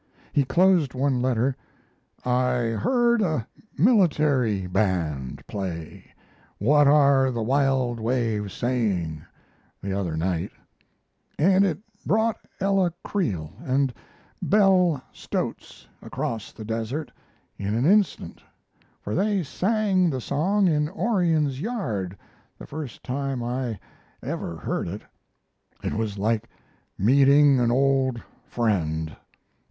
He closed one letter: I heard a military band play "What Are the Wild Waves Saying" the other night, and it brought Ella Creel and Belle (Stotts) across the desert in an instant, for they sang the song in Orion's yard the first time I ever heard it. It was like meeting an old friend.